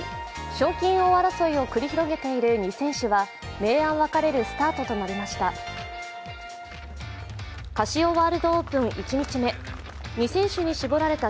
賞金王争いを繰り広げている２選手は明暗分かれるスタートとなりました。